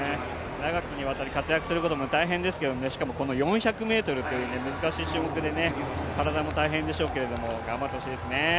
長きにわたり活躍することも大変ですけれども、しかもこの４００ｍとう難しい種目でね、体も大変でしょうけど、頑張ってほしいですね。